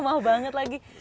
mau banget lagi